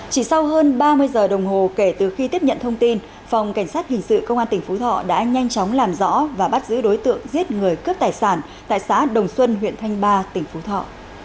chỉ sau hơn ba mươi giờ đồng hồ kể từ khi tiếp nhận thông tin phòng cảnh sát hình sự công an tỉnh phú thọ đã nhanh chóng làm rõ và bắt giữ đối tượng giết người cướp tài sản tại xã đồng xuân huyện thanh ba tỉnh phú thọ